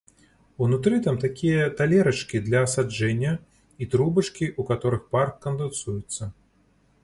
Унутры там такія талерачкі для асаджэння і трубачкі, у каторых пар кандэнсуецца.